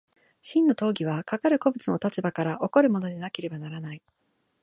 真の当為はかかる個物の立場から起こるものでなければならない。